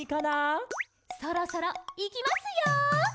「そろそろ、いきますよ！」